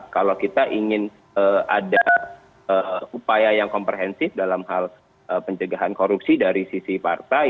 kalau kita ingin ada upaya yang komprehensif dalam hal pencegahan korupsi dari sisi partai